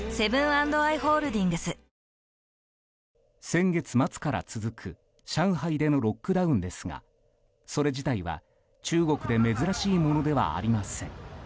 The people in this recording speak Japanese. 先月末から続く上海でのロックダウンですがそれ自体は、中国で珍しいものではありません。